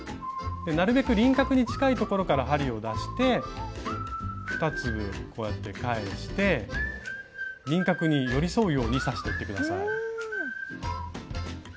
なるべく輪郭に近いところから針を出して２粒こうやって返して輪郭に寄り添うように刺していって下さい。